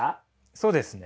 そうですね。